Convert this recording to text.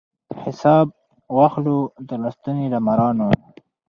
حساب واخلو د لستوڼي له مارانو